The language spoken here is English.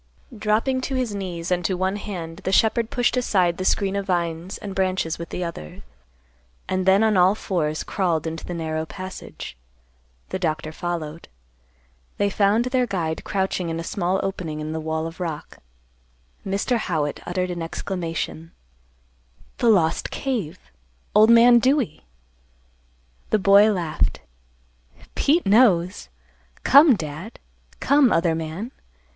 Dropping to his knees and to one hand the shepherd pushed aside the screen of vines and branches with the other, and then on all fours crawled into the narrow passage. The Doctor followed. They found their guide crouching in a small opening in the wall of rock. Mr. Howitt uttered an exclamation, "The lost cave! Old man Dewey!" The boy laughed, "Pete knows. Come, Dad. Come, other man.